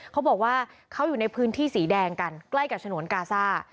เขาบอกว่าเขาอยู่ในพื้นที่สีแดงกันใกล้กับฉนวนกาซ่า